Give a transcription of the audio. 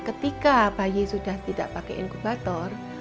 ketika bayi sudah tidak pakai inkubator